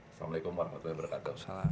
assalamualaikum warahmatullahi wabarakatuh